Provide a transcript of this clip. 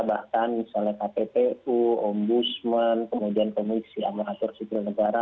bahkan misalnya kppu ombudsman kemudian komisi amaratur sipil negara